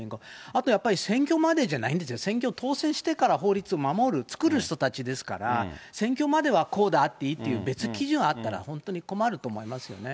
あとやっぱり選挙までじゃないんですよ、選挙当選してから法律を守る、作る人たちですから、選挙まではこうであっていいと、別基準あったら、本当に困ると思いますよね。